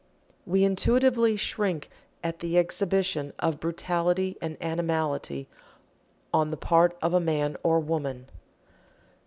We intuitively shrink at an exhibition of brutality and animality on the part of a man or woman.